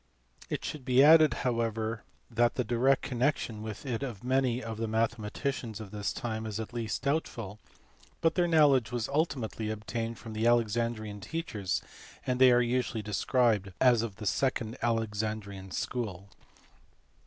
It should be added however that the direct connection with it of many of the mathematicians of this time is at least doubtful, but their knowledge was ultimately obtained from the Alexandrian teachers, and they are usually described as of the second Alexandrian school.